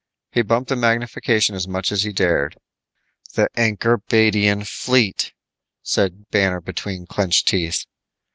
He bumped the magnification as much as he dared. "The Ankorbadian fleet," said Banner between clenched teeth.